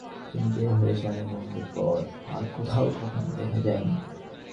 তিনি বের হয়ে যান এবং এরপর আর কোথাও কখনো দেখা যায়নি।